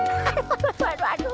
aduh aduh aduh